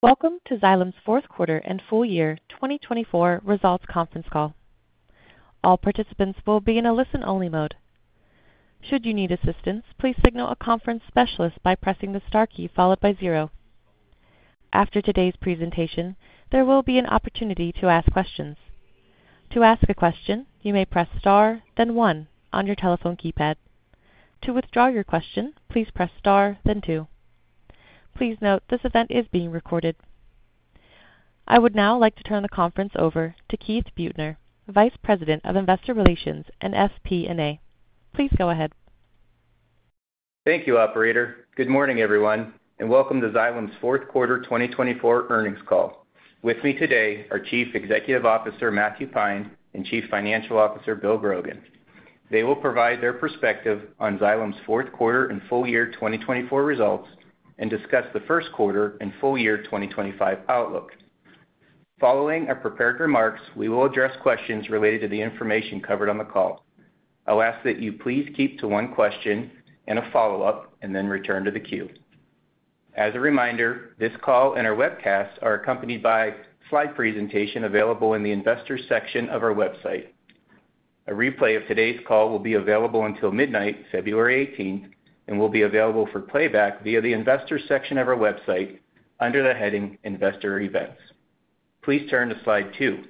Welcome to Xylem's fourth quarter and full year 2024 results conference call. All participants will be in a listen-only mode. Should you need assistance, please signal a conference specialist by pressing the star key followed by zero. After today's presentation, there will be an opportunity to ask questions. To ask a question, you may press star, then one, on your telephone keypad. To withdraw your question, please press star, then two. Please note this event is being recorded. I would now like to turn the conference over to Keith Buettner, Vice President of Investor Relations and FP&A. Please go ahead. Thank you, Operator. Good morning, everyone, and welcome to Xylem's fourth quarter 2024 earnings call. With me today are Chief Executive Officer Matthew Pine and Chief Financial Officer Bill Grogan. They will provide their perspective on Xylem's fourth quarter and full year 2024 results and discuss the first quarter and full year 2025 outlook. Following our prepared remarks, we will address questions related to the information covered on the call. I'll ask that you please keep to one question and a follow-up, and then return to the queue. As a reminder, this call and our webcast are accompanied by a slide presentation available in the Investor section of our website. A replay of today's call will be available until midnight, February 18th, and will be available for playback via the Investor section of our website under the heading Investor Events. Please turn to slide two.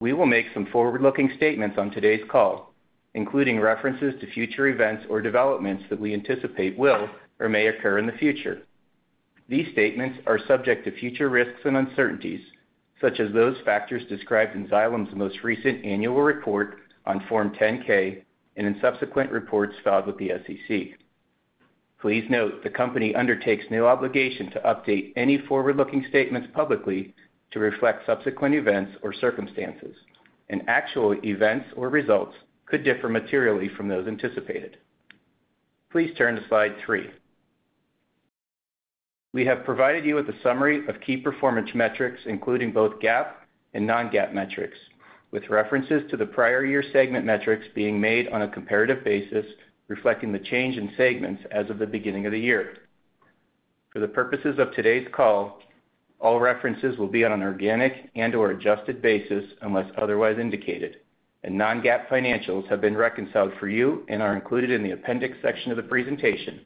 We will make some forward-looking statements on today's call, including references to future events or developments that we anticipate will or may occur in the future. These statements are subject to future risks and uncertainties, such as those factors described in Xylem's most recent annual report on Form 10-K and in subsequent reports filed with the SEC. Please note the company undertakes no obligation to update any forward-looking statements publicly to reflect subsequent events or circumstances, and actual events or results could differ materially from those anticipated. Please turn to slide three. We have provided you with a summary of key performance metrics, including both GAAP and non-GAAP metrics, with references to the prior year segment metrics being made on a comparative basis, reflecting the change in segments as of the beginning of the year. For the purposes of today's call, all references will be on an organic and/or adjusted basis unless otherwise indicated, and non-GAAP financials have been reconciled for you and are included in the appendix section of the presentation.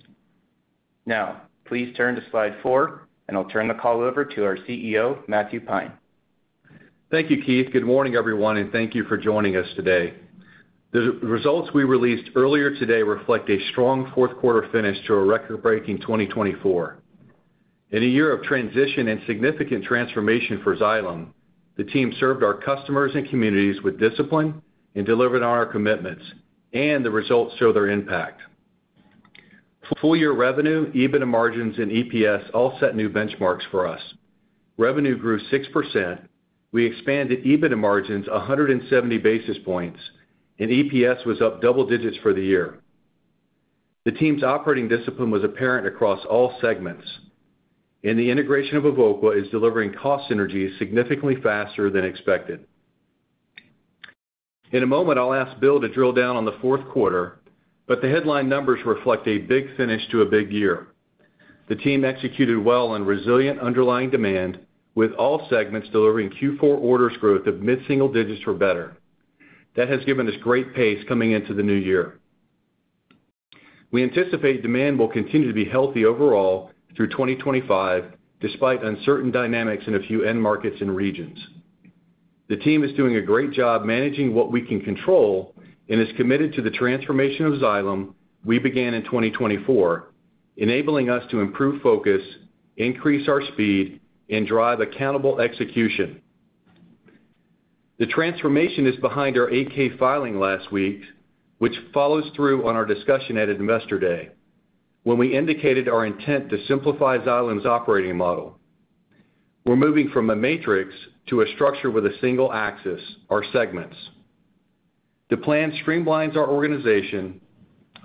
Now, please turn to slide four, and I'll turn the call over to our CEO, Matthew Pine. Thank you, Keith. Good morning, everyone, and thank you for joining us today. The results we released earlier today reflect a strong fourth quarter finish to a record-breaking 2024. In a year of transition and significant transformation for Xylem, the team served our customers and communities with discipline and delivered on our commitments, and the results show their impact. Full year revenue, EBITDA margins, and EPS all set new benchmarks for us. Revenue grew 6%. We expanded EBITDA margins 170 basis points, and EPS was up double digits for the year. The team's operating discipline was apparent across all segments, and the integration of Evoqua is delivering cost synergies significantly faster than expected. In a moment, I'll ask Bill to drill down on the fourth quarter, but the headline numbers reflect a big finish to a big year. The team executed well on resilient underlying demand, with all segments delivering Q4 orders growth of mid-single digits or better. That has given us great pace coming into the new year. We anticipate demand will continue to be healthy overall through 2025, despite uncertain dynamics in a few end markets and regions. The team is doing a great job managing what we can control and is committed to the transformation of Xylem we began in 2024, enabling us to improve focus, increase our speed, and drive accountable execution. The transformation is behind our 8-K filing last week, which follows through on our discussion at Investor Day, when we indicated our intent to simplify Xylem's operating model. We're moving from a matrix to a structure with a single axis, our segments. The plan streamlines our organization,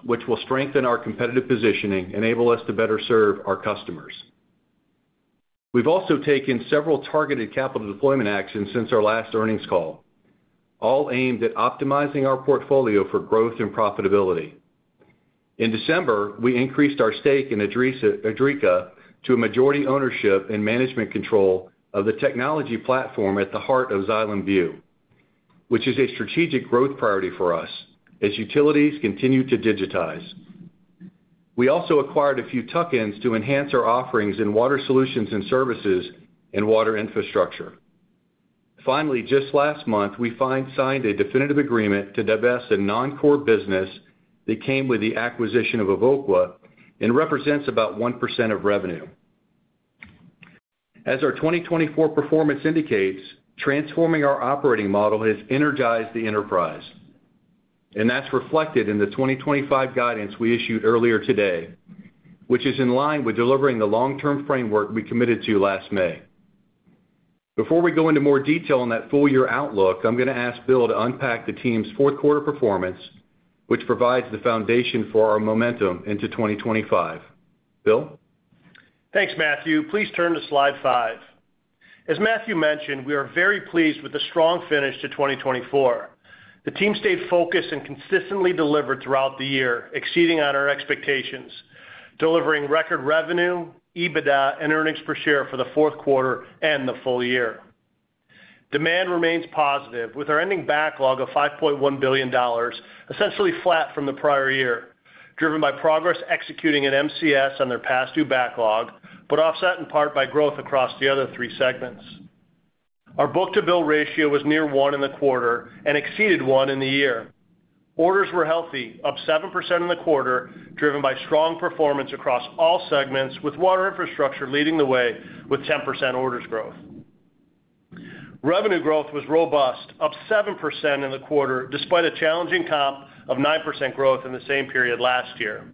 which will strengthen our competitive positioning and enable us to better serve our customers. We've also taken several targeted capital deployment actions since our last earnings call, all aimed at optimizing our portfolio for growth and profitability. In December, we increased our stake in Idrica to a majority ownership and management control of the technology platform at the heart of Xylem Vue, which is a strategic growth priority for us as utilities continue to digitize. We also acquired a few tuck-ins to enhance our offerings in Water Solutions and Services and Water Infrastructure. Finally, just last month, we signed a definitive agreement to divest a non-core business that came with the acquisition of Evoqua and represents about 1% of revenue. As our 2024 performance indicates, transforming our operating model has energized the enterprise, and that's reflected in the 2025 guidance we issued earlier today, which is in line with delivering the long-term framework we committed to last May. Before we go into more detail on that full year outlook, I'm going to ask Bill to unpack the team's fourth quarter performance, which provides the foundation for our momentum into 2025. Bill? Thanks, Matthew. Please turn to slide five. As Matthew mentioned, we are very pleased with the strong finish to 2024. The team stayed focused and consistently delivered throughout the year, exceeding our expectations, delivering record revenue, EBITDA, and earnings per share for the fourth quarter and the full year. Demand remains positive, with our ending backlog of $5.1 billion, essentially flat from the prior year, driven by progress executing at MCS on their past due backlog, but offset in part by growth across the other three segments. Our book-to-bill ratio was near one in the quarter and exceeded one in the year. Orders were healthy, up 7% in the quarter, driven by strong performance across all segments, with Water Infrastructure leading the way with 10% orders growth. Revenue growth was robust, up 7% in the quarter, despite a challenging comp of 9% growth in the same period last year.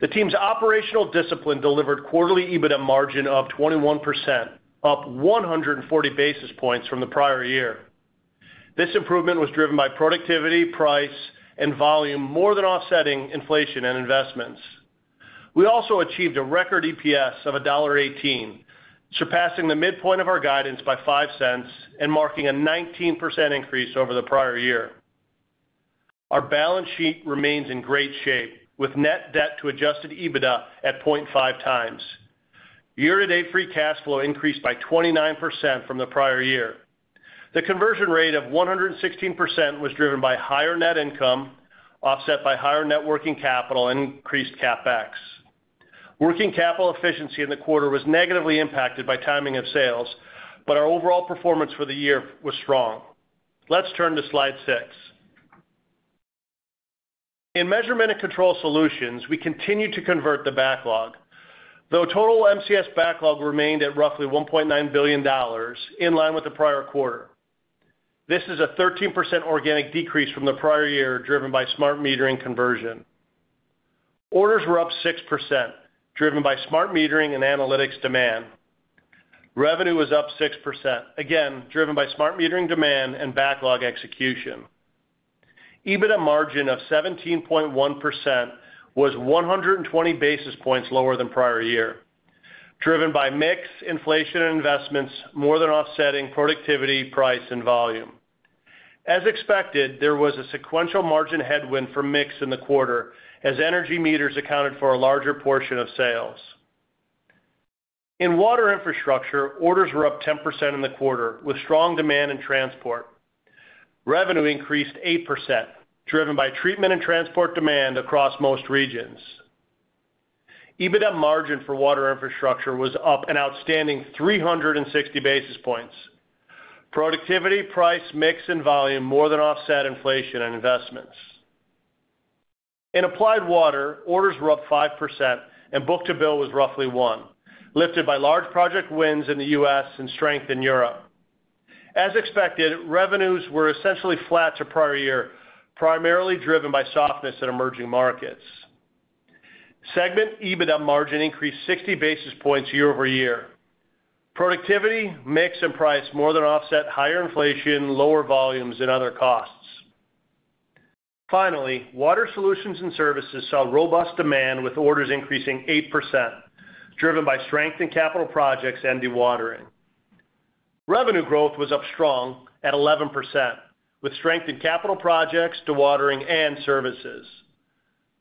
The team's operational discipline delivered quarterly EBITDA margin of 21%, up 140 basis points from the prior year. This improvement was driven by productivity, price, and volume, more than offsetting inflation and investments. We also achieved a record EPS of $1.18, surpassing the midpoint of our guidance by $0.05 and marking a 19% increase over the prior year. Our balance sheet remains in great shape, with net debt to adjusted EBITDA at 0.5 times. Year-to-date free cash flow increased by 29% from the prior year. The conversion rate of 116% was driven by higher net income, offset by higher net working capital and increased CapEx. Working capital efficiency in the quarter was negatively impacted by timing of sales, but our overall performance for the year was strong. Let's turn to slide six. In Measurement & Control Solutions, we continued to convert the backlog, though total MCS backlog remained at roughly $1.9 billion, in line with the prior quarter. This is a 13% organic decrease from the prior year, driven by smart metering conversion. Orders were up 6%, driven by smart metering and analytics demand. Revenue was up 6%, again driven by smart metering demand and backlog execution. EBITDA margin of 17.1% was 120 basis points lower than prior year, driven by mix inflation and investments, more than offsetting productivity, price, and volume. As expected, there was a sequential margin headwind for mix in the quarter, as energy meters accounted for a larger portion of sales. In Water Infrastructure, orders were up 10% in the quarter, with strong demand in transport. Revenue increased 8%, driven by treatment and transport demand across most regions. EBITDA margin for Water Infrastructure was up an outstanding 360 basis points. Productivity, price, mix, and volume more than offset inflation and investments. In Applied Water, orders were up 5%, and book-to-bill was roughly one, lifted by large project wins in the U.S. and strength in Europe. As expected, revenues were essentially flat to prior year, primarily driven by softness in emerging markets. Segment EBITDA margin increased 60 basis points year over year. Productivity, mix, and price more than offset higher inflation, lower volumes, and other costs. Finally, Water Solutions and Services saw robust demand, with orders increasing 8%, driven by strength in capital projects and dewatering. Revenue growth was up strong at 11%, with strength in capital projects, dewatering, and services.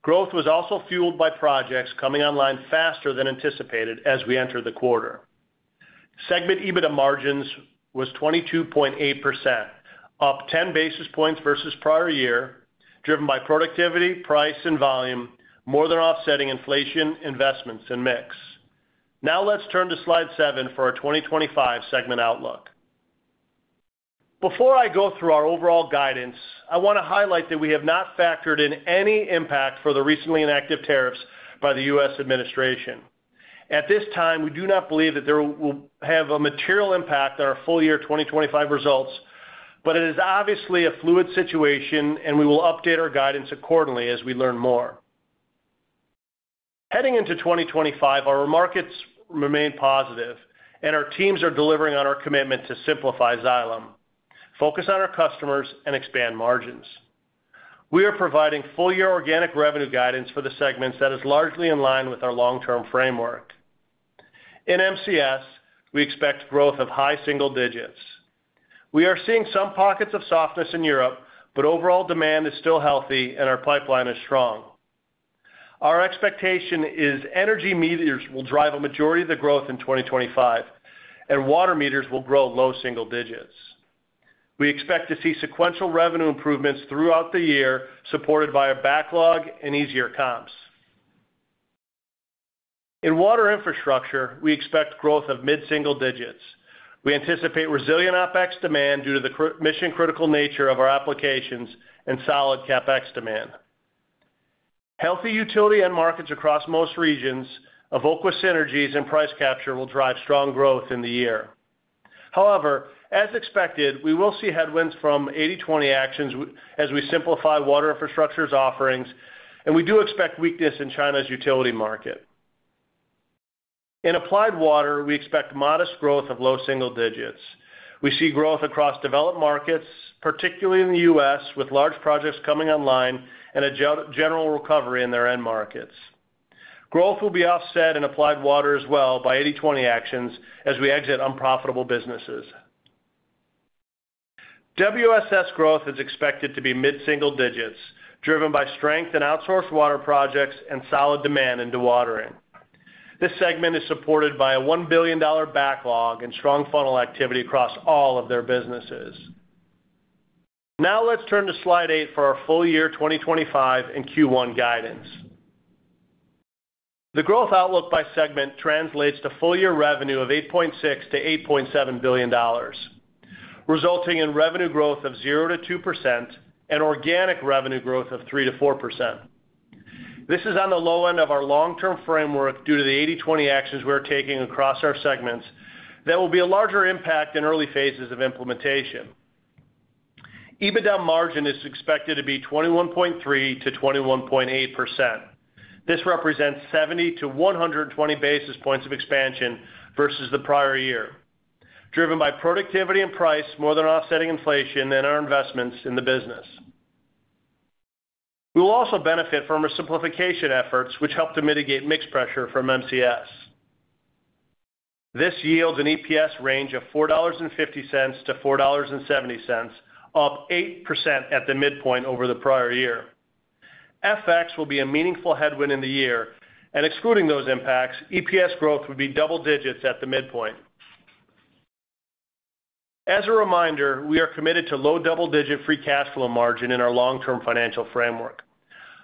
Growth was also fueled by projects coming online faster than anticipated as we entered the quarter. Segment EBITDA margins was 22.8%, up 10 basis points versus prior year, driven by productivity, price, and volume, more than offsetting inflation, investments, and mix. Now let's turn to slide seven for our 2025 segment outlook. Before I go through our overall guidance, I want to highlight that we have not factored in any impact for the recently enacted tariffs by the U.S. administration. At this time, we do not believe that there will have a material impact on our full year 2025 results, but it is obviously a fluid situation, and we will update our guidance accordingly as we learn more. Heading into 2025, our markets remain positive, and our teams are delivering on our commitment to simplify Xylem, focus on our customers, and expand margins. We are providing full year organic revenue guidance for the segments that is largely in line with our long-term framework. In MCS, we expect growth of high single digits. We are seeing some pockets of softness in Europe, but overall demand is still healthy, and our pipeline is strong. Our expectation is energy meters will drive a majority of the growth in 2025, and water meters will grow low single digits. We expect to see sequential revenue improvements throughout the year, supported by a backlog and easier comps. In Water Infrastructure, we expect growth of mid-single digits. We anticipate resilient Opex demand due to the mission-critical nature of our applications and solid Capex demand. Healthy utility end markets across most regions, Evoqua synergies, and price capture will drive strong growth in the year. However, as expected, we will see headwinds from 80/20 actions as we simplify Water Infrastructure's offerings, and we do expect weakness in China's utility market. In Applied Water, we expect modest growth of low single digits. We see growth across developed markets, particularly in the U.S., with large projects coming online and a general recovery in their end markets. Growth will be offset in Applied Water as well by 80/20 actions as we exit unprofitable businesses. WSS growth is expected to be mid-single digits, driven by strength in outsourced water projects and solid demand in dewatering. This segment is supported by a $1 billion backlog and strong funnel activity across all of their businesses. Now let's turn to slide eight for our full year 2025 and Q1 guidance. The growth outlook by segment translates to full year revenue of $8.6-$8.7 billion, resulting in revenue growth of 0-2% and organic revenue growth of 3-4%. This is on the low end of our long-term framework due to the 80/20 actions we're taking across our segments that will be a larger impact in early phases of implementation. EBITDA margin is expected to be 21.3%-21.8%. This represents 70-120 basis points of expansion versus the prior year, driven by productivity and price more than offsetting inflation and our investments in the business. We will also benefit from our simplification efforts, which help to mitigate mix pressure from MCS. This yields an EPS range of $4.50-$4.70, up 8% at the midpoint over the prior year. FX will be a meaningful headwind in the year, and excluding those impacts, EPS growth would be double digits at the midpoint. As a reminder, we are committed to low double-digit free cash flow margin in our long-term financial framework.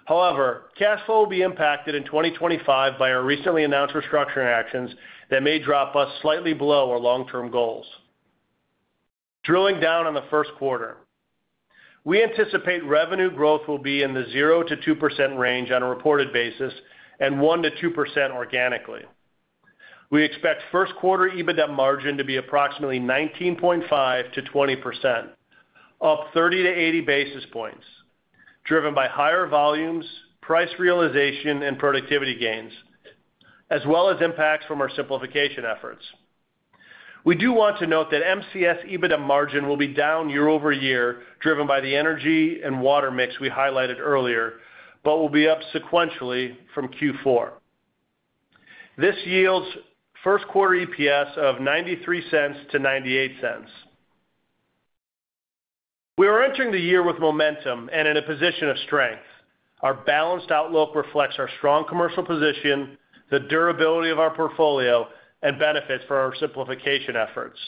However, cash flow will be impacted in 2025 by our recently announced restructuring actions that may drop us slightly below our long-term goals. Drilling down on the first quarter, we anticipate revenue growth will be in the 0%-2% range on a reported basis and 1%-2% organically. We expect first quarter EBITDA margin to be approximately 19.5%-20%, up 30 to 80 basis points, driven by higher volumes, price realization, and productivity gains, as well as impacts from our simplification efforts. We do want to note that MCS EBITDA margin will be down year over year, driven by the energy and water mix we highlighted earlier, but will be up sequentially from Q4. This yields first quarter EPS of $0.93-$0.98. We are entering the year with momentum and in a position of strength. Our balanced outlook reflects our strong commercial position, the durability of our portfolio, and benefits for our simplification efforts.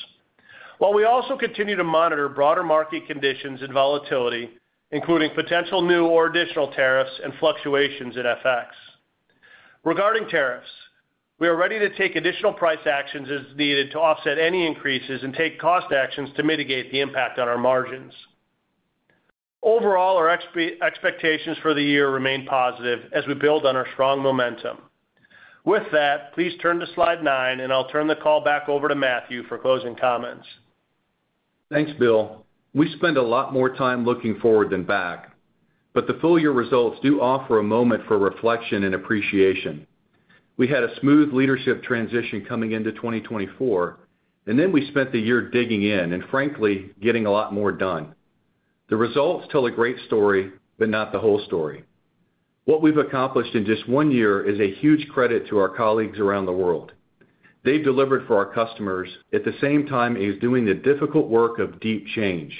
While we also continue to monitor broader market conditions and volatility, including potential new or additional tariffs and fluctuations in FX. Regarding tariffs, we are ready to take additional price actions as needed to offset any increases and take cost actions to mitigate the impact on our margins. Overall, our expectations for the year remain positive as we build on our strong momentum. With that, please turn to slide nine, and I'll turn the call back over to Matthew for closing comments. Thanks, Bill. We spend a lot more time looking forward than back, but the full year results do offer a moment for reflection and appreciation. We had a smooth leadership transition coming into 2024, and then we spent the year digging in and, frankly, getting a lot more done. The results tell a great story, but not the whole story. What we've accomplished in just one year is a huge credit to our colleagues around the world. They've delivered for our customers at the same time as doing the difficult work of deep change.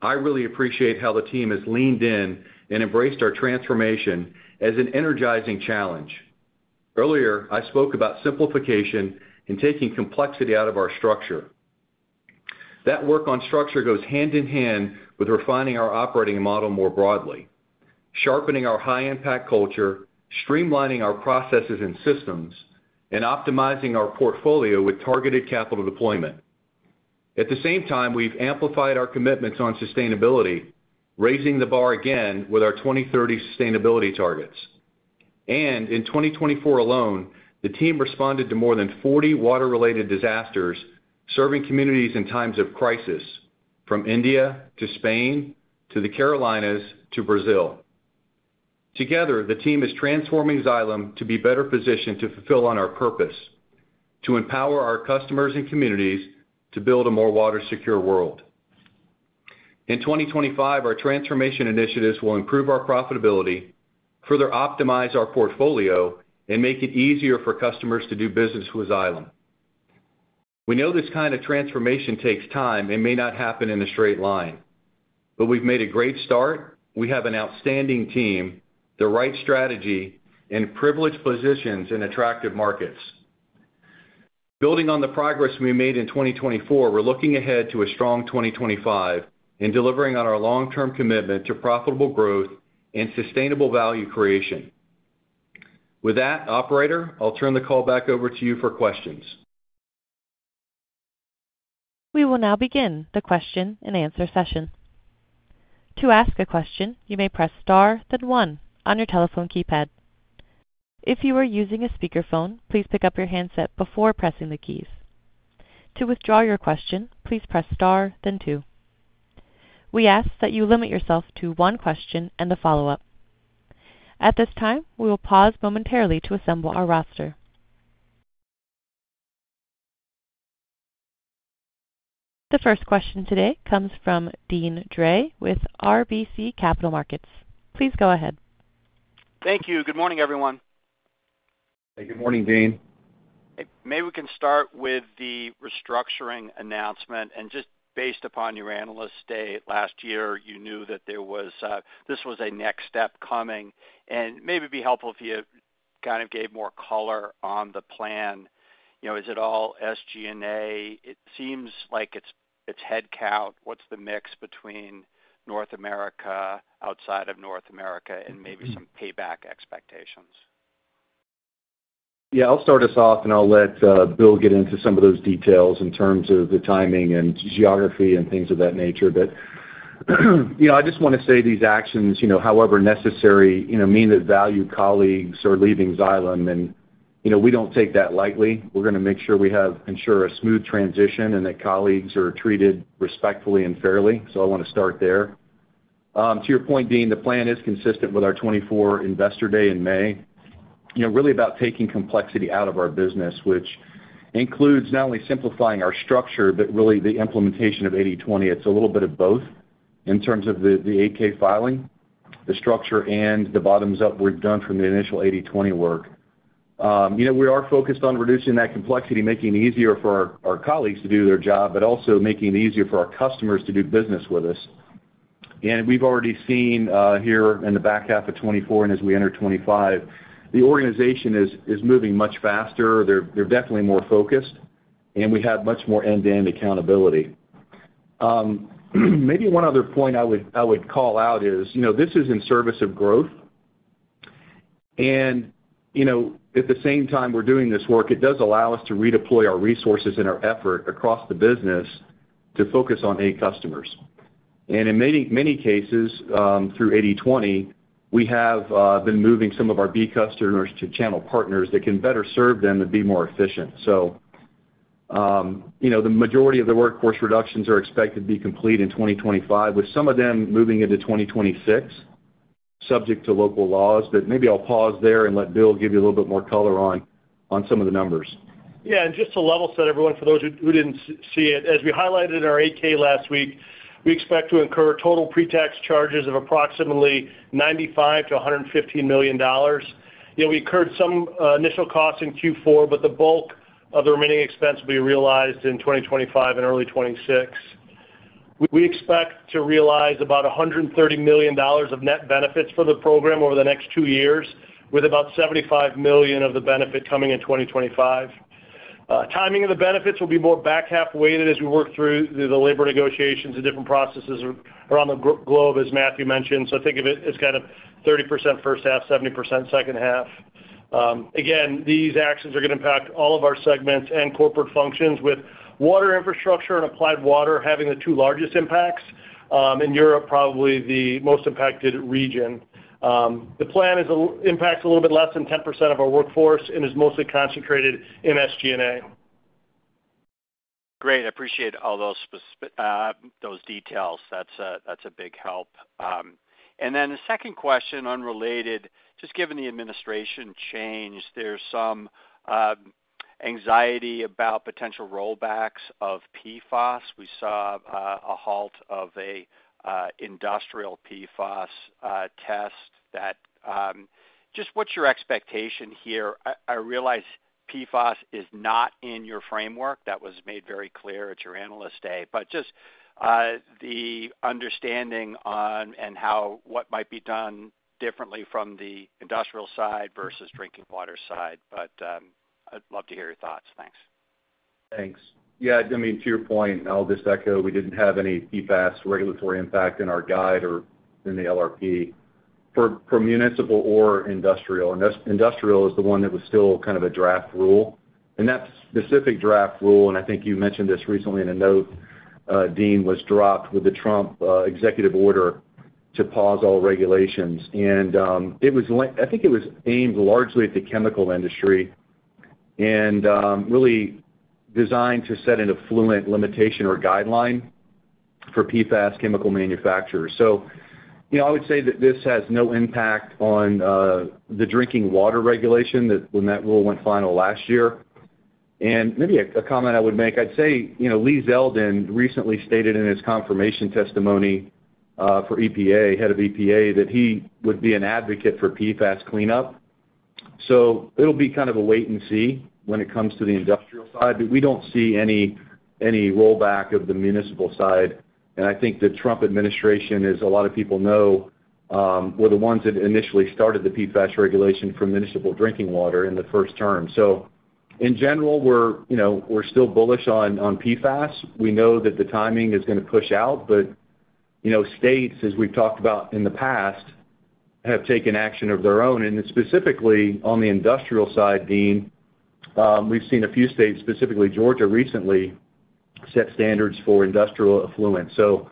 I really appreciate how the team has leaned in and embraced our transformation as an energizing challenge. Earlier, I spoke about simplification and taking complexity out of our structure. That work on structure goes hand in hand with refining our operating model more broadly, sharpening our high-impact culture, streamlining our processes and systems, and optimizing our portfolio with targeted capital deployment. At the same time, we've amplified our commitments on sustainability, raising the bar again with our 2030 sustainability targets. And in 2024 alone, the team responded to more than 40 water-related disasters, serving communities in times of crisis, from India to Spain to the Carolinas to Brazil. Together, the team is transforming Xylem to be better positioned to fulfill on our purpose, to empower our customers and communities to build a more water-secure world. In 2025, our transformation initiatives will improve our profitability, further optimize our portfolio, and make it easier for customers to do business with Xylem. We know this kind of transformation takes time and may not happen in a straight line, but we've made a great start. We have an outstanding team, the right strategy, and privileged positions in attractive markets. Building on the progress we made in 2024, we're looking ahead to a strong 2025 and delivering on our long-term commitment to profitable growth and sustainable value creation. With that, Operator, I'll turn the call back over to you for questions. We will now begin the question and answer session. To ask a question, you may press star, then one on your telephone keypad. If you are using a speakerphone, please pick up your handset before pressing the keys. To withdraw your question, please press star, then two. We ask that you limit yourself to one question and the follow-up. At this time, we will pause momentarily to assemble our roster. The first question today comes from Deane Dray with RBC Capital Markets. Please go ahead. Thank you. Good morning, everyone. Hey, good morning, Deane. Maybe we can start with the restructuring announcement. And just based upon your analysts' day last year, you knew that this was a next step coming. And maybe it'd be helpful if you kind of gave more color on the plan. Is it all SG&A? It seems like it's headcount. What's the mix between North America, outside of North America, and maybe some payback expectations? Yeah, I'll start us off, and I'll let Bill get into some of those details in terms of the timing and geography and things of that nature. But I just want to say these actions, however necessary, mean that valued colleagues are leaving Xylem, and we don't take that lightly. We're going to make sure we have ensure a smooth transition and that colleagues are treated respectfully and fairly. So I want to start there. To your point, Deane, the plan is consistent with our 2024 investor day in May, really about taking complexity out of our business, which includes not only simplifying our structure, but really the implementation of 80/20. It's a little bit of both in terms of the 8-K filing, the structure, and the bottoms-up we've done from the initial 80/20 work. We are focused on reducing that complexity, making it easier for our colleagues to do their job, but also making it easier for our customers to do business with us. We've already seen here in the back half of 2024 and as we enter 2025, the organization is moving much faster. They're definitely more focused, and we have much more end-to-end accountability. Maybe one other point I would call out is this is in service of growth. At the same time we're doing this work, it does allow us to redeploy our resources and our effort across the business to focus on A customers. In many cases, through 80/20, we have been moving some of our B customers to channel partners that can better serve them and be more efficient. So the majority of the workforce reductions are expected to be complete in 2025, with some of them moving into 2026, subject to local laws. But maybe I'll pause there and let Bill give you a little bit more color on some of the numbers. Yeah, and just to level set everyone, for those who didn't see it, as we highlighted in our 8-K last week, we expect to incur total pre-tax charges of approximately $95-$115 million. We incurred some initial costs in Q4, but the bulk of the remaining expense will be realized in 2025 and early 2026. We expect to realize about $130 million of net benefits for the program over the next two years, with about $75 million of the benefit coming in 2025. Timing of the benefits will be more back half-weighted as we work through the labor negotiations and different processes around the globe, as Matthew mentioned, so I think of it as kind of 30% first half, 70% second half. Again, these actions are going to impact all of our segments and corporate functions, with Water Infrastructure and Applied Water having the two largest impacts in Europe, probably the most impacted region. The plan impacts a little bit less than 10% of our workforce and is mostly concentrated in SG&A. Great. I appreciate all those details. That's a big help. And then the second question unrelated, just given the administration change, there's some anxiety about potential rollbacks of PFAS. We saw a halt of an industrial PFAS test. Just what's your expectation here? I realize PFAS is not in your framework. That was made very clear at your analyst day, but just the understanding on what might be done differently from the industrial side versus drinking water side. But I'd love to hear your thoughts. Thanks. Thanks. Yeah. I mean, to your point, I'll just echo. We didn't have any PFAS regulatory impact in our guide or in the LRP for municipal or industrial. Industrial is the one that was still kind of a draft rule. And that specific draft rule, and I think you mentioned this recently in a note, Deane, was dropped with the Trump executive order to pause all regulations. And I think it was aimed largely at the chemical industry and really designed to set an effluent limitation or guideline for PFAS chemical manufacturers. So I would say that this has no impact on the drinking water regulation when that rule went final last year. And maybe a comment I would make, I'd say Lee Zeldin recently stated in his confirmation testimony for EPA Head of the EPA that he would be an advocate for PFAS cleanup. So it'll be kind of a wait and see when it comes to the industrial side. But we don't see any rollback of the municipal side. And I think the Trump administration, as a lot of people know, were the ones that initially started the PFAS regulation for municipal drinking water in the first term. So in general, we're still bullish on PFAS. We know that the timing is going to push out, but states, as we've talked about in the past, have taken action of their own. And specifically on the industrial side, Deane, we've seen a few states, specifically Georgia, recently set standards for industrial effluent. So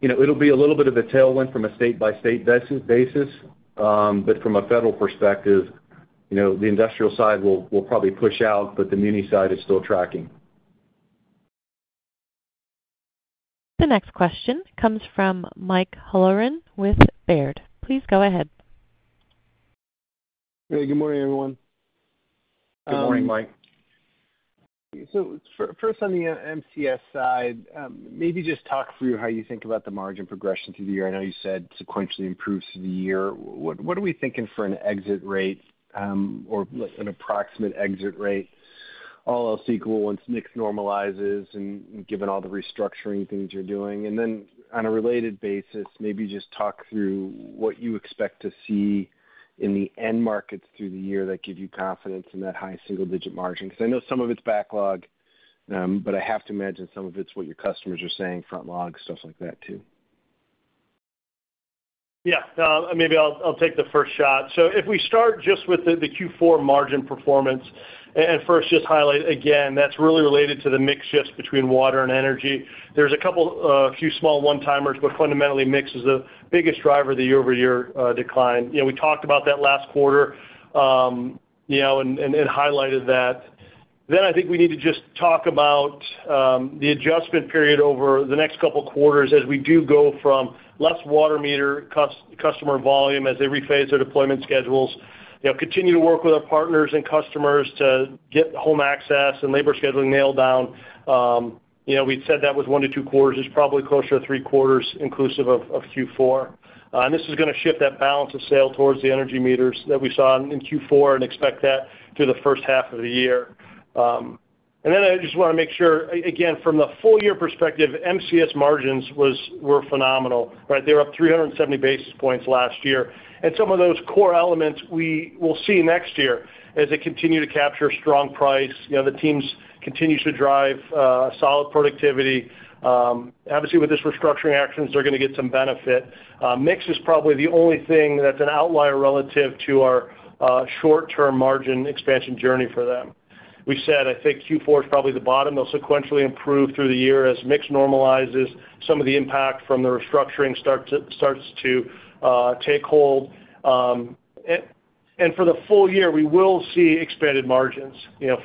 it'll be a little bit of a tailwind from a state-by-state basis. But from a federal perspective, the industrial side will probably push out, but the muni side is still tracking. The next question comes from Mike Halloran with Baird. Please go ahead. Hey, good morning, everyone. Good morning, Mike. So first, on the MCS side, maybe just talk through how you think about the margin progression through the year. I know you said sequentially improves through the year. What are we thinking for an exit rate or an approximate exit rate, all else equal, once NICS normalizes and given all the restructuring things you're doing? And then on a related basis, maybe just talk through what you expect to see in the end markets through the year that give you confidence in that high single-digit margin. Because I know some of it's backlog, but I have to imagine some of it's what your customers are saying, front log, stuff like that too. Yeah. Maybe I'll take the first shot. So if we start just with the Q4 margin performance and first just highlight, again, that's really related to the mix just between water and energy. There's a few small one-timers, but fundamentally, MCS is the biggest driver of the year-over-year decline. We talked about that last quarter and highlighted that. Then I think we need to just talk about the adjustment period over the next couple of quarters as we do go from less water meter customer volume as they rephase their deployment schedules, continue to work with our partners and customers to get home access and labor scheduling nailed down. We'd said that was one to two quarters. It's probably closer to three quarters inclusive of Q4. And this is going to shift that balance of sale towards the energy meters that we saw in Q4 and expect that through the first half of the year. And then I just want to make sure, again, from the full year perspective, MCS margins were phenomenal. They were up 370 basis points last year. And some of those core elements we will see next year as they continue to capture a strong price. The teams continue to drive solid productivity. Obviously, with this restructuring action, they're going to get some benefit. NICS is probably the only thing that's an outlier relative to our short-term margin expansion journey for them. We said, I think Q4 is probably the bottom. They'll sequentially improve through the year as NICS normalizes, some of the impact from the restructuring starts to take hold. And for the full year, we will see expanded margins.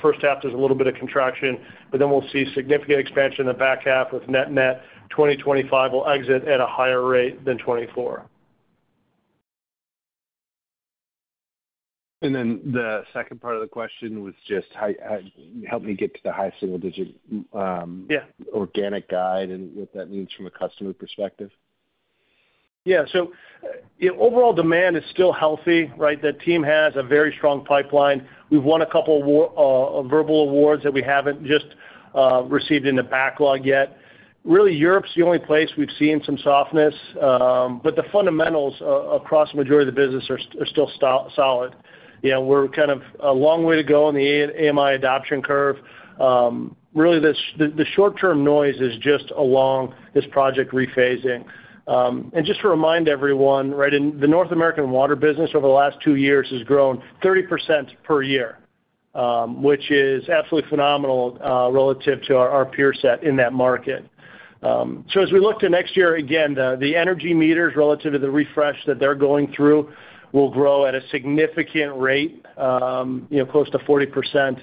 First half, there's a little bit of contraction, but then we'll see significant expansion in the back half with net-net 2025 will exit at a higher rate than 2024. And then the second part of the question was just help me get to the high single-digit organic guide and what that means from a customer perspective. Yeah. So overall demand is still healthy. The team has a very strong pipeline. We've won a couple of verbal awards that we haven't just received in the backlog yet. Really, Europe's the only place we've seen some softness, but the fundamentals across the majority of the business are still solid. We're kind of a long way to go on the AMI adoption curve. Really, the short-term noise is just along this project rephasing. Just to remind everyone, the North American water business over the last two years has grown 30% per year, which is absolutely phenomenal relative to our peer set in that market. So as we look to next year, again, the energy meters relative to the refresh that they're going through will grow at a significant rate, close to 40%.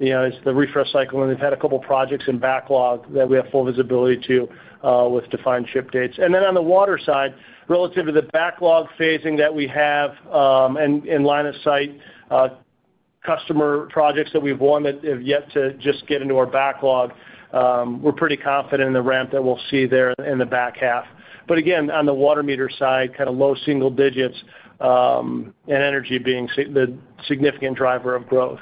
It's the refresh cycle. And they've had a couple of projects in backlog that we have full visibility to with defined ship dates. And then on the water side, relative to the backlog phasing that we have in line of sight, customer projects that we've won that have yet to just get into our backlog, we're pretty confident in the ramp that we'll see there in the back half. But again, on the water meter side, kind of low single digits and energy being the significant driver of growth.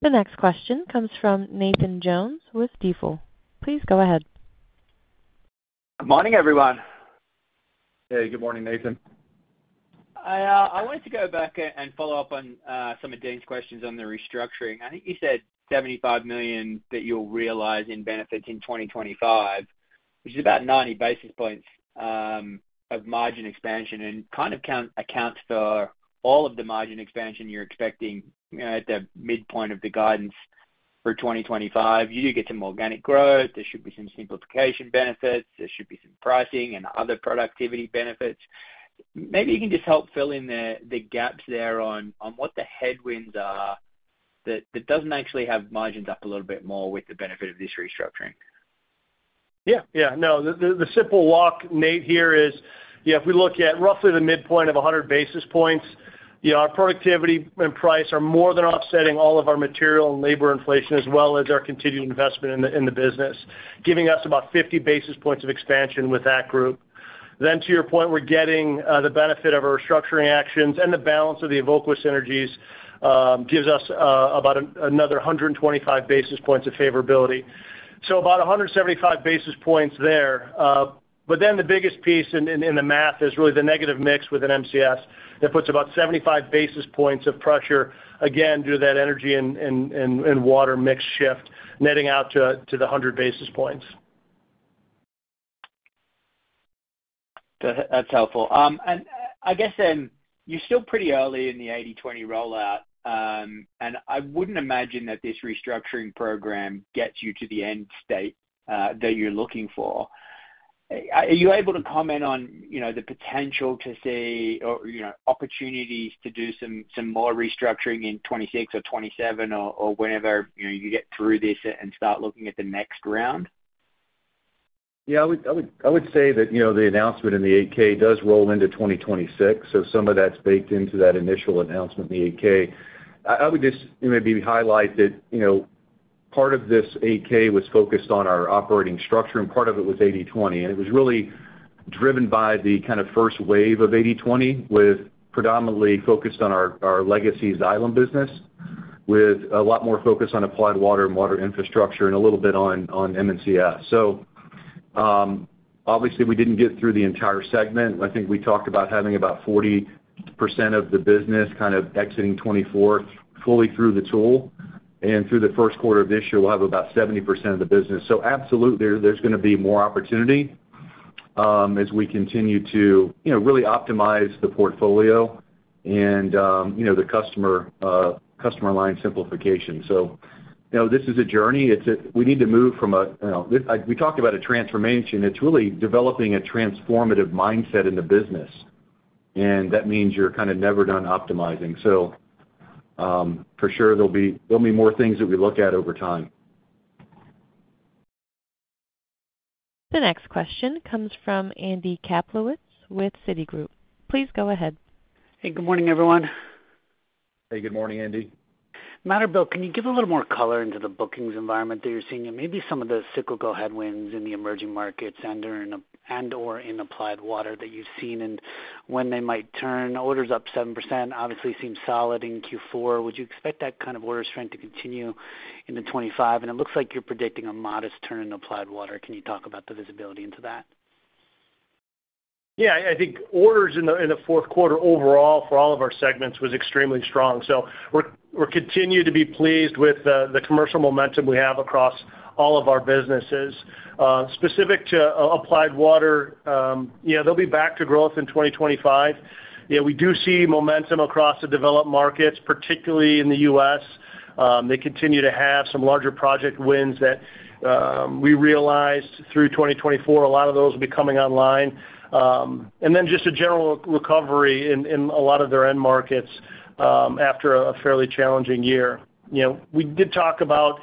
The next question comes from Nathan Jones with Stifel. Please go ahead. Good morning, everyone. Hey, good morning, Nathan. I wanted to go back and follow up on some of Deane's questions on the restructuring. I think you said $75 million that you'll realize in benefits in 2025, which is about 90 basis points of margin expansion and kind of accounts for all of the margin expansion you're expecting at the midpoint of the guidance for 2025. You do get some organic growth. There should be some simplification benefits. There should be some pricing and other productivity benefits. Maybe you can just help fill in the gaps there on what the headwinds are that doesn't actually have margins up a little bit more with the benefit of this restructuring? Yeah. Yeah. No, the simple, Nate, here is if we look at roughly the midpoint of 100 basis points, our productivity and price are more than offsetting all of our material and labor inflation, as well as our continued investment in the business, giving us about 50 basis points of expansion with that group. Then, to your point, we're getting the benefit of our restructuring actions and the balance of the Evoqua synergies gives us about another 125 basis points of favorability. So about 175 basis points there. But then the biggest piece in the math is really the negative mix within MCS. That puts about 75 basis points of pressure, again, due to that energy and water mix shift netting out to the 100 basis points. That's helpful, and I guess you're still pretty early in the 80/20 rollout, and I wouldn't imagine that this restructuring program gets you to the end state that you're looking for. Are you able to comment on the potential to see or opportunities to do some more restructuring in 2026 or 2027 or whenever you get through this and start looking at the next round? Yeah. I would say that the announcement in the 8-K does roll into 2026. So some of that's baked into that initial announcement in the 8-K. I would just maybe highlight that part of this 8-K was focused on our operating structure, and part of it was 80/20. And it was really driven by the kind of first wave of 80/20, predominantly focused on our legacy silos business, with a lot more focus on Applied Water and Water Infrastructure and a little bit on MCS. So obviously, we didn't get through the entire segment. I think we talked about having about 40% of the business kind of exiting 2024 fully through the full. And through the first quarter of this year, we'll have about 70% of the business. So absolutely, there's going to be more opportunity as we continue to really optimize the portfolio and the customer line simplification. So this is a journey. We need to move from a we talked about a transformation. It's really developing a transformative mindset in the business. And that means you're kind of never done optimizing. So for sure, there'll be more things that we look at over time. The next question comes from Andy Kaplowitz with Citigroup. Please go ahead. Hey, good morning, everyone. Hey, good morning, Andy. Pine, can you give a little more color into the bookings environment that you're seeing and maybe some of the cyclical headwinds in the emerging markets and/or in applied water that you've seen and when they might turn? Orders up 7% obviously seem solid in Q4. Would you expect that kind of order strength to continue into 2025? And it looks like you're predicting a modest turn in applied water. Can you talk about the visibility into that? Yeah. I think orders in the fourth quarter overall for all of our segments was extremely strong. So we're continuing to be pleased with the commercial momentum we have across all of our businesses. Specific to Applied Water, they'll be back to growth in 2025. We do see momentum across the developed markets, particularly in the U.S. They continue to have some larger project wins that we realized through 2024. A lot of those will be coming online. And then just a general recovery in a lot of their end markets after a fairly challenging year. We did talk about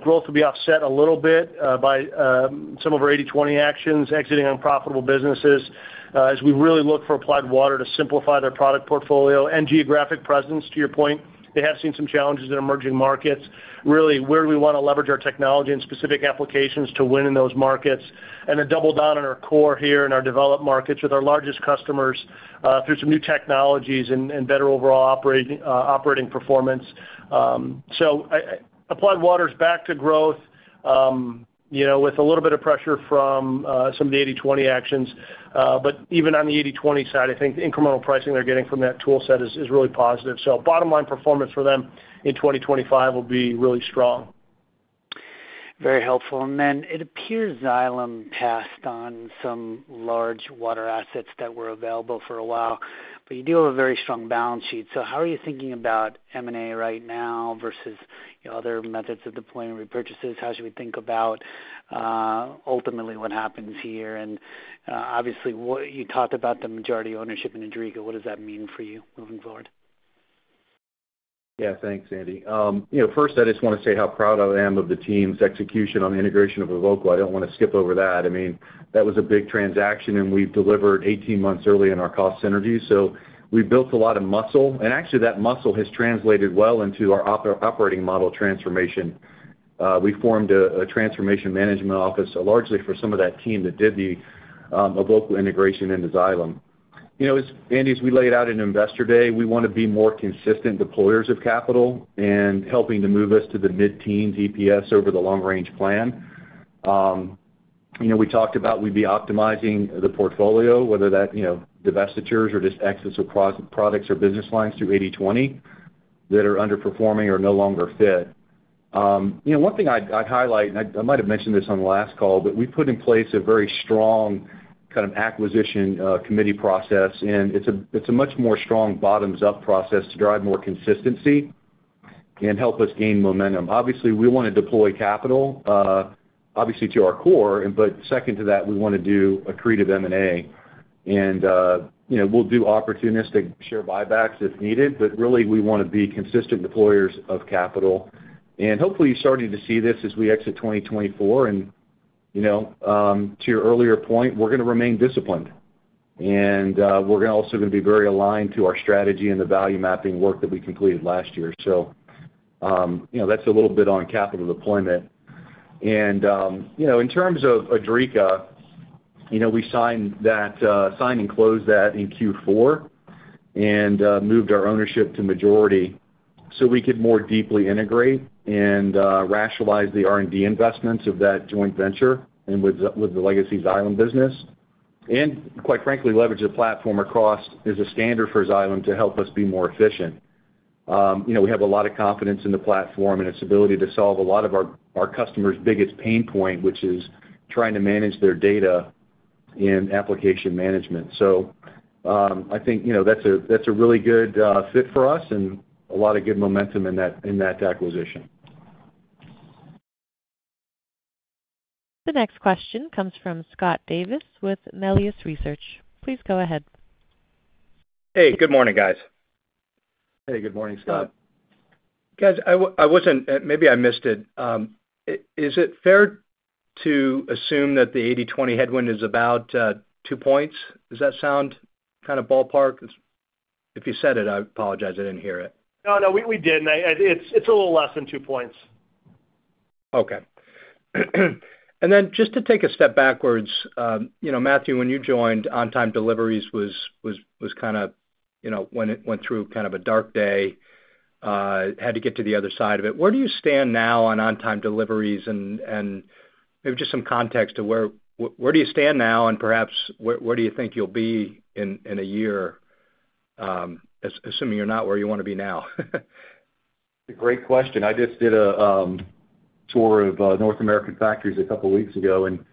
growth will be offset a little bit by some of our 80/20 actions exiting unprofitable businesses as we really look for Applied Water to simplify their product portfolio and geographic presence. To your point, they have seen some challenges in emerging markets. Really, where do we want to leverage our technology and specific applications to win in those markets? And then double down on our core here in our developed markets with our largest customers through some new technologies and better overall operating performance. So Applied Water is back to growth with a little bit of pressure from some of the 80/20 actions. But even on the 80/20 side, I think the incremental pricing they're getting from that toolset is really positive. So bottom line performance for them in 2025 will be really strong. Very helpful. And then it appears Xylem passed on some large water assets that were available for a while, but you do have a very strong balance sheet. So how are you thinking about M&A right now versus other methods of deployment repurchases? How should we think about ultimately what happens here? And obviously, you talked about the majority ownership in Idrica. What does that mean for you moving forward? Yeah. Thanks, Andy. First, I just want to say how proud I am of the team's execution on the integration of Evoqua. I don't want to skip over that. I mean, that was a big transaction, and we've delivered 18 months early in our cost synergy. So we built a lot of muscle. And actually, that muscle has translated well into our operating model transformation. We formed a transformation management office largely for some of that team that did the Evoqua integration into Xylem. Andy, as we laid out in Investor Day, we want to be more consistent deployers of capital and helping to move us to the mid-teens EPS over the long-range plan. We talked about we'd be optimizing the portfolio, whether that's divestitures or just exits of products or business lines through 80/20 that are underperforming or no longer fit. One thing I'd highlight, and I might have mentioned this on the last call, but we've put in place a very strong kind of acquisition committee process, and it's a much more strong bottoms-up process to drive more consistency and help us gain momentum. Obviously, we want to deploy capital, obviously to our core, but second to that, we want to do a creative M&A. And we'll do opportunistic share buybacks if needed, but really, we want to be consistent deployers of capital. And hopefully, you're starting to see this as we exit 2024. And to your earlier point, we're going to remain disciplined, and we're also going to be very aligned to our strategy and the value mapping work that we completed last year. So that's a little bit on capital deployment. In terms of Idrica, we signed and closed that in Q4 and moved our ownership to majority so we could more deeply integrate and rationalize the R&D investments of that joint venture and with the Legacy Xylem business. Quite frankly, leverage the platform across as a standard for Xylem to help us be more efficient. We have a lot of confidence in the platform and its ability to solve a lot of our customers' biggest pain point, which is trying to manage their data in application management. I think that's a really good fit for us and a lot of good momentum in that acquisition. The next question comes from Scott Davis with Melius Research. Please go ahead. Hey, good morning, guys. Hey, good morning, Scott. Guys, I wasn't, maybe I missed it. Is it fair to assume that the 80/20 headwind is about two points? Does that sound kind of ballpark? If you said it, I apologize. I didn't hear it. No, no, we didn't. It's a little less than two points. Okay. And then just to take a step backwards, Matthew, when you joined, on-time deliveries was kind of went through kind of a dark day, had to get to the other side of it. Where do you stand now on on-time deliveries and maybe just some context to where do you stand now, and perhaps where do you think you'll be in a year, assuming you're not where you want to be now? Great question. I just did a tour of North American factories a couple of weeks ago, and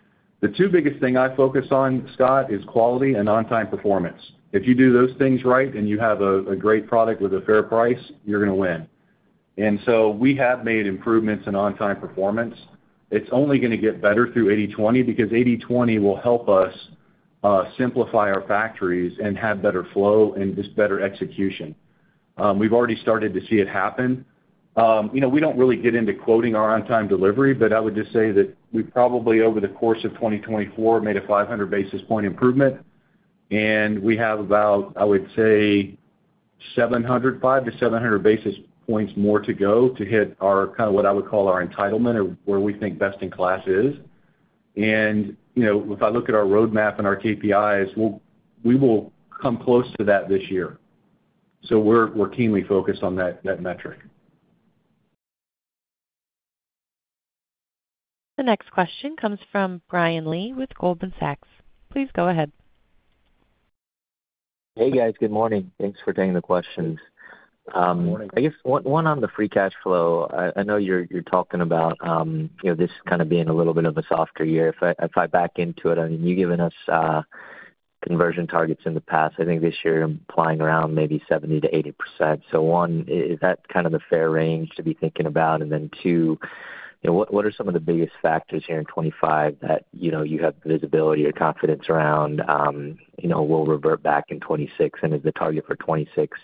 the two biggest things I focus on, Scott, is quality and on-time performance. If you do those things right and you have a great product with a fair price, you're going to win. And so we have made improvements in on-time performance. It's only going to get better through 80/20 because 80/20 will help us simplify our factories and have better flow and just better execution. We've already started to see it happen. We don't really get into quoting our on-time delivery, but I would just say that we probably, over the course of 2024, made a 500 basis point improvement, and we have about, I would say, 5 to 700 basis points more to go to hit kind of what I would call our entitlement or where we think best in class is. And if I look at our roadmap and our KPIs, we will come close to that this year. So we're keenly focused on that metric. The next question comes from Brian Lee with Goldman Sachs. Please go ahead. Hey, guys. Good morning. Thanks for taking the questions. Good morning. I guess one on the free cash flow, I know you're talking about this kind of being a little bit of a softer year. If I back into it, I mean, you've given us conversion targets in the past. I think this year you're flying around maybe 70%-80%. So one, is that kind of the fair range to be thinking about? And then two, what are some of the biggest factors here in 2025 that you have visibility or confidence around will revert back in 2026? And is the target for 2026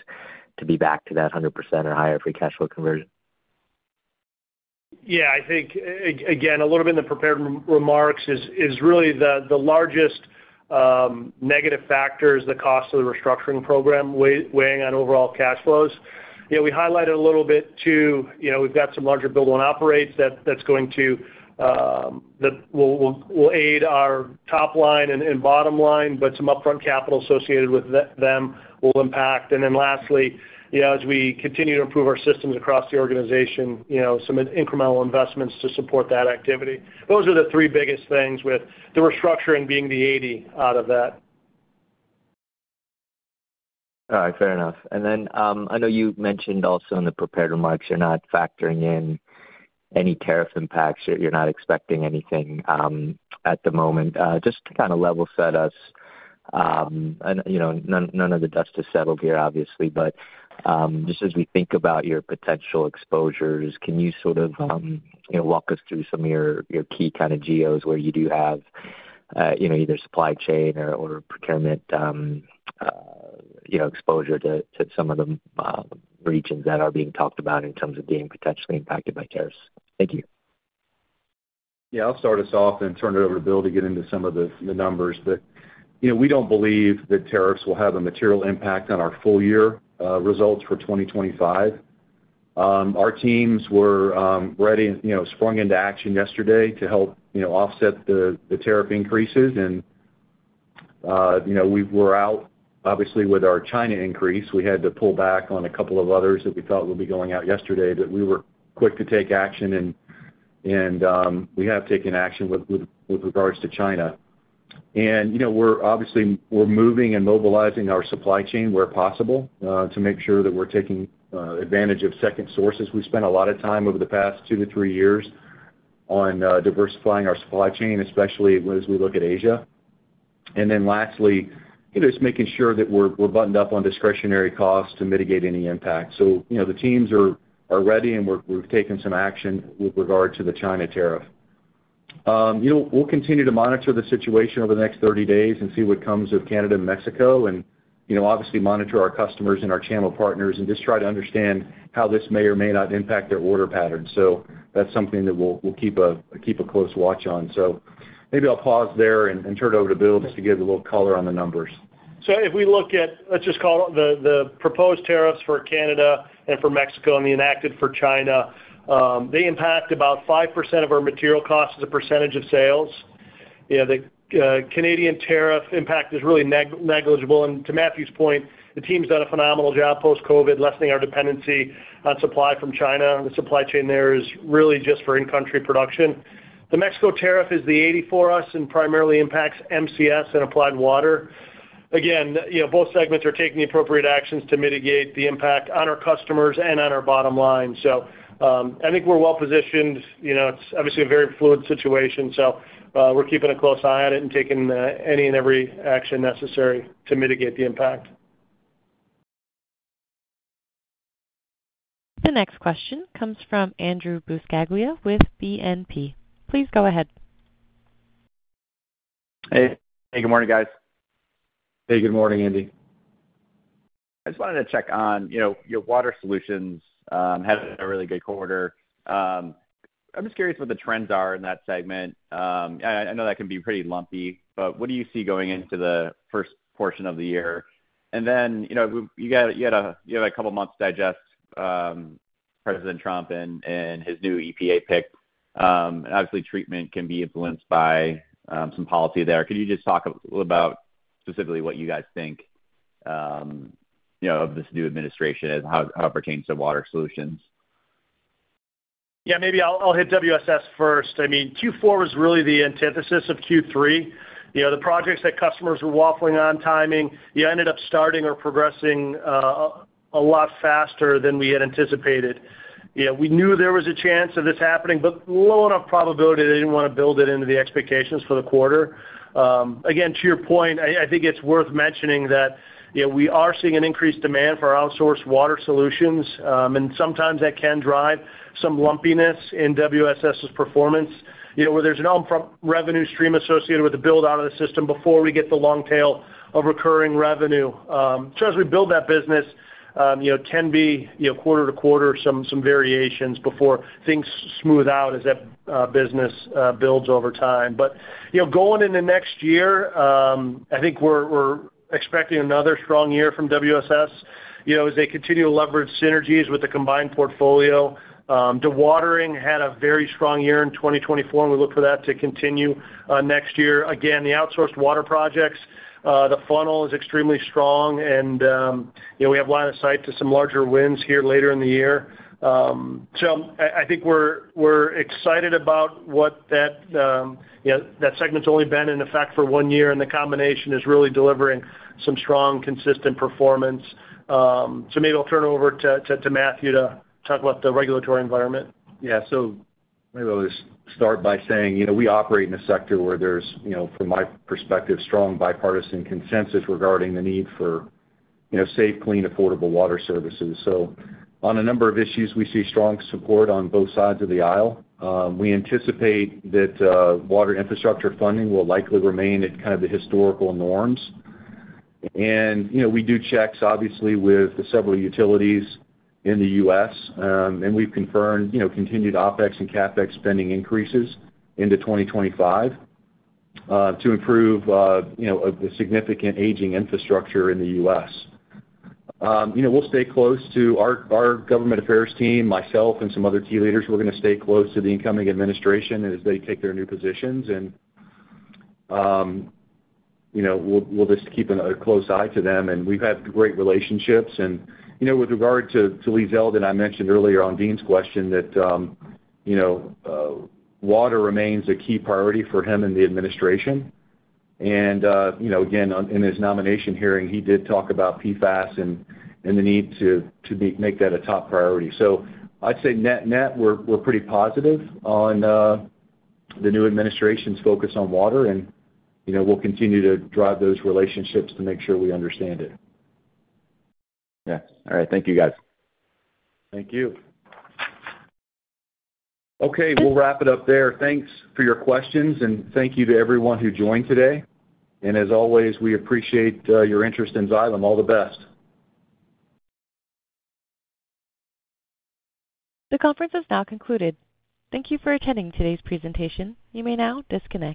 to be back to that 100% or higher free cash flow conversion? Yeah. I think, again, a little bit in the prepared remarks is really the largest negative factor is the cost of the restructuring program weighing on overall cash flows. We highlighted a little bit too. We've got some larger build-own operates that's going to will aid our top line and bottom line, but some upfront capital associated with them will impact. And then lastly, as we continue to improve our systems across the organization, some incremental investments to support that activity. Those are the three biggest things with the restructuring being the 80/20 out of that. All right. Fair enough. And then I know you mentioned also in the prepared remarks you're not factoring in any tariff impacts. You're not expecting anything at the moment. Just to kind of level set us, none of the dust is settled here, obviously, but just as we think about your potential exposures, can you sort of walk us through some of your key kind of geos where you do have either supply chain or procurement exposure to some of the regions that are being talked about in terms of being potentially impacted by tariffs? Thank you. Yeah. I'll start us off and turn it over to Bill to get into some of the numbers. But we don't believe that tariffs will have a material impact on our full-year results for 2025. Our teams were ready and sprung into action yesterday to help offset the tariff increases. And we were out, obviously, with our China increase. We had to pull back on a couple of others that we thought would be going out yesterday, but we were quick to take action, and we have taken action with regards to China. And obviously, we're moving and mobilizing our supply chain where possible to make sure that we're taking advantage of second sources. We've spent a lot of time over the past two to three years on diversifying our supply chain, especially as we look at Asia. And then lastly, just making sure that we're buttoned up on discretionary costs to mitigate any impact. So the teams are ready, and we've taken some action with regard to the China tariff. We'll continue to monitor the situation over the next 30 days and see what comes of Canada and Mexico, and obviously monitor our customers and our channel partners and just try to understand how this may or may not impact their order patterns. So that's something that we'll keep a close watch on. So maybe I'll pause there and turn it over to Bill just to give a little color on the numbers. So if we look at, let's just call it the proposed tariffs for Canada and for Mexico and the enacted for China, they impact about 5% of our material costs as a percentage of sales. The Canadian tariff impact is really negligible. And to Matthew's point, the team's done a phenomenal job post-COVID, lessening our dependency on supply from China. The supply chain there is really just for in-country production. The Mexico tariff is the 80/20 for us and primarily impacts MCS and Applied Water. Again, both segments are taking the appropriate actions to mitigate the impact on our customers and on our bottom line. So I think we're well positioned. It's obviously a very fluid situation, so we're keeping a close eye on it and taking any and every action necessary to mitigate the impact. The next question comes from Andrew Buscaglia with BNP. Please go ahead. Hey. Hey. Good morning, guys. Hey. Good morning, Andy. I just wanted to check on your water solutions had a really good quarter. I'm just curious what the trends are in that segment. I know that can be pretty lumpy, but what do you see going into the first portion of the year? And then you had a couple of months to digest President Trump and his new EPA pick. Obviously, treatment can be influenced by some policy there. Could you just talk a little about specifically what you guys think of this new administration and how it pertains to water solutions? Yeah. Maybe I'll hit WSS first. I mean, Q4 was really the antithesis of Q3. The projects that customers were waffling on timing ended up starting or progressing a lot faster than we had anticipated. We knew there was a chance of this happening, but low enough probability they didn't want to build it into the expectations for the quarter. Again, to your point, I think it's worth mentioning that we are seeing an increased demand for outsourced water solutions, and sometimes that can drive some lumpiness in WSS's performance where there's an upfront revenue stream associated with the build-out of the system before we get the long tail of recurring revenue. So as we build that business, it can be quarter to quarter some variations before things smooth out as that business builds over time. But going into next year, I think we're expecting another strong year from WSS as they continue to leverage synergies with the combined portfolio. The WSS had a very strong year in 2024, and we look for that to continue next year. Again, the outsourced water projects, the funnel is extremely strong, and we have line of sight to some larger wins here later in the year. So I think we're excited about what that segment's only been in effect for one year, and the combination is really delivering some strong, consistent performance. So maybe I'll turn it over to Matthew to talk about the regulatory environment. Yeah. So maybe I'll just start by saying we operate in a sector where there's, from my perspective, strong bipartisan consensus regarding the need for safe, clean, affordable water services. So on a number of issues, we see strong support on both sides of the aisle. We anticipate that water infrastructure funding will likely remain at kind of the historical norms. And we do checks, obviously, with several utilities in the U.S., and we've confirmed continued OpEx and CapEx spending increases into 2025 to improve the significant aging infrastructure in the U.S. We'll stay close to our government affairs team, myself, and some other key leaders. We're going to stay close to the incoming administration as they take their new positions, and we'll just keep a close eye to them. And we've had great relationships. With regard to Lee Zeldin, I mentioned earlier on Deane's question that water remains a key priority for him and the administration. Again, in his nomination hearing, he did talk about PFAS and the need to make that a top priority. I'd say net net, we're pretty positive on the new administration's focus on water, and we'll continue to drive those relationships to make sure we understand it. Yes. All right. Thank you, guys. Thank you. Okay. We'll wrap it up there. Thanks for your questions, and thank you to everyone who joined today. And as always, we appreciate your interest in Xylem. All the best. The conference is now concluded. Thank you for attending today's presentation. You may now disconnect.